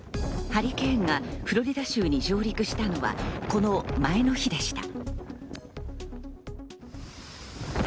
ハリケーンがフロリダ州に上陸したのは、この前の日でした。